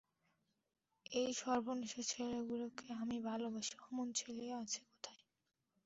এই সর্বনেশে ছেলেগুলোকে আমি ভালোবাসি– অমন ছেলে আছে কোথায়!